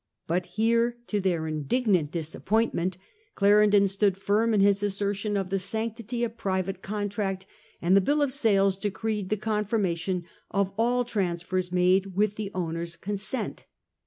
But here, to their indignant disappointment, Clarendon stood firm in his assertion of the sanctity of private contract, and the Bill of Sales decreed the confirmation of all transfers made with the owners' consent.